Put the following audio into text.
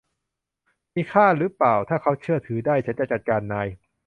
มีค่ารึเปล่า ถ้าเขาเชื่อถือได้ ฉันจะจัดการนาย